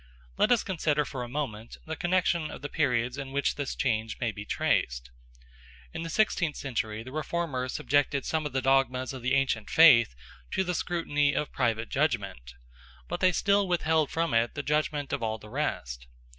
Let us consider for a moment the connection of the periods in which this change may be traced. In the sixteenth century the Reformers subjected some of the dogmas of the ancient faith to the scrutiny of private judgment; but they still withheld from it the judgment of all the rest.